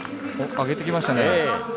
上げてきましたね。